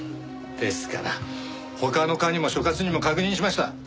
ですから他の課にも所轄にも確認しました。